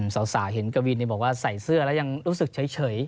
สาวเห็นกวินบอกว่าใส่เสื้อแล้วยังรู้สึกเฉย